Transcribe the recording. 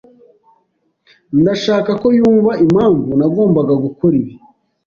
Ndashaka ko yumva impamvu nagombaga gukora ibi.